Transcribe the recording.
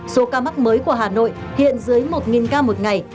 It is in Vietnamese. số ca mắc mới của hà nội hiện dưới một ca một ngày